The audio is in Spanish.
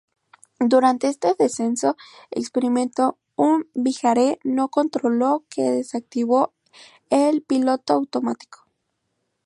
Durante este descenso experimentó un viraje no controlado, que desactivó el piloto automático.